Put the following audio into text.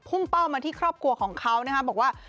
เป้ามาที่ครอบครัวของเขานะครับบอกว่า